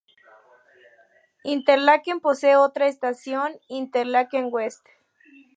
Interlaken posee otra estación, Interlaken West.